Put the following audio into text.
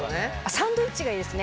サンドイッチがいいですね。